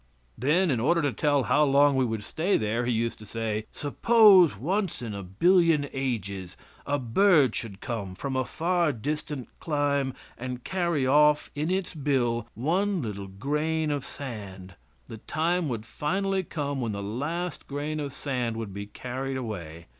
Then, in order to tell how long we would stay there, he used to say: "Suppose once in a billion ages a bird should come from a far distant clime and carry off in its bill one little grain of sand, the time would finally come when the last grain of sand would be carried away.